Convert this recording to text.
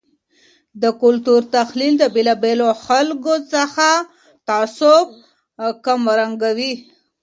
د کلتور تحلیل له بیلابیلو خلګو څخه تعصب کمرنګوي.